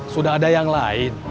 sudah ada yang lain